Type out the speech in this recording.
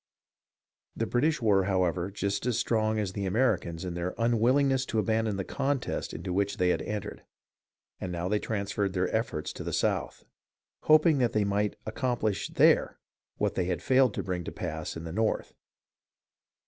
The British were, however, just as strong as the Americans in their unwillingness to abandon the contest into which they had entered, and now they transferred their efforts to the South, hoping that they might accom plish there what they had failed to bring to pass in the North.